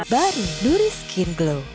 bari nuri skin glow